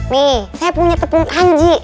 nih saya punya tepung anji